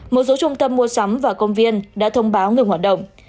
một số trung tâm mua sắm và công viên đã thông báo ngừng hoạt động